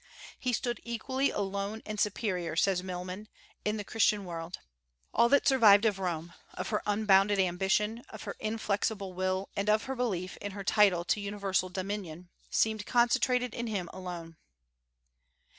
"He stood equally alone and superior," says Milman, "in the Christian world. All that survived of Rome of her unbounded ambition, of her inflexible will, and of her belief in her title to universal dominion seemed concentrated in him alone."